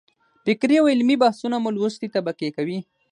فکري او علمي بحثونه مو لوستې طبقې کوي.